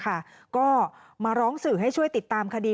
ก็มาร้องเสียหายมาร้องให้ช่วยติดตามคดี